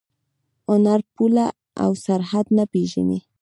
هنر پوله او سرحد نه پېژني.